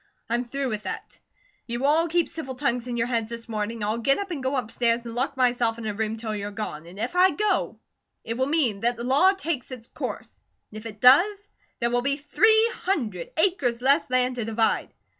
I'm THROUGH with that. You will all keep civil tongues in your heads this morning, or I'll get up and go upstairs, an' lock myself in a room till you're gone, an' if I go, it will mean that the law takes its course; and if it does, there will be three hundred acres less land to divide.